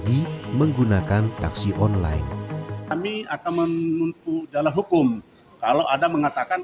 lagi menggunakan taksi online